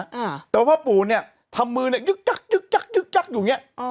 อ่าแต่ว่าพ่อปูเนี่ยทำมือเนี่ยยึกจักยึกจักยึกจักอยู่เนี้ยอ๋อ